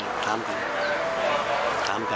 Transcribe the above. พ่อกลับแกคนกลับบ้านอยู่ไหมครับ